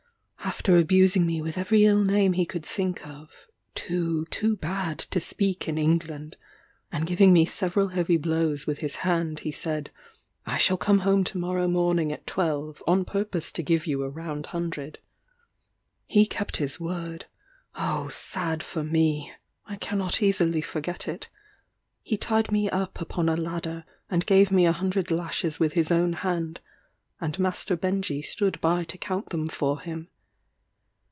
After abusing me with every ill name he could think of, (too, too bad to speak in England,) and giving me several heavy blows with his hand, he said, "I shall come home to morrow morning at twelve, on purpose to give you a round hundred." He kept his word Oh sad for me! I cannot easily forget it. He tied me up upon a ladder, and gave me a hundred lashes with his own hand, and master Benjy stood by to count them for him.